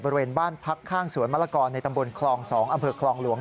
บริเวณบ้านพักข้างสวนมะละกอในตำบลคลอง๒อำเภอคลองหลวง